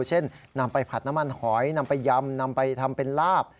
เช่นนำไปผัดน้ำมันหอยนำไปยำนำไปทำเป็นลาบ